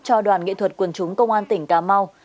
cho đoàn nghệ thuật quần chúng công an tỉnh cà mau